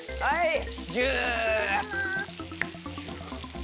はい。